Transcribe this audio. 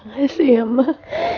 makasih ya emang